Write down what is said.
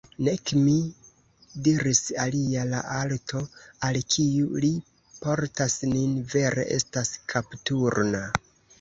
Nek mi, diris alia, la alto, al kiu li portas nin, vere estas kapturna.